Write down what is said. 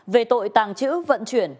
về tội tàng trữ vận chuyển